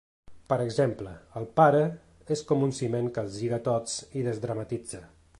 Per exemple, el pare és com un ciment que els lliga tots i desdramatitza.